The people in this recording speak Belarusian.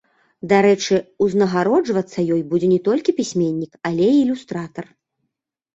Дарэчы, узнагароджвацца ёй будзе не толькі пісьменнік, але і ілюстратар.